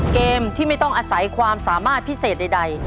เกมที่ไม่ต้องอาศัยความสามารถพิเศษใด